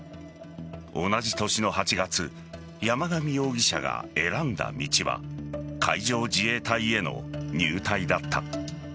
同じ年の８月山上容疑者が選んだ道は海上自衛隊への入隊だった。